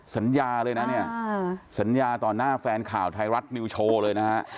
สัญญาเลยนะเนี่ยสัญญาต่อหน้าแฟนข่าวไทยรัฐนิวโชว์เลยนะฮะ